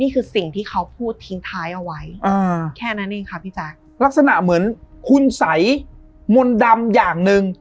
นี่คือสิ่งที่เขาพูดทิ้งท้ายเอาไว้อ่าแค่นั้นเองค่ะพี่แจ๊คลักษณะเหมือนคุณสัยมนต์ดำอย่างหนึ่ง